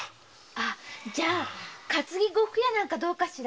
じゃ担ぎ呉服屋なんかどうかしら？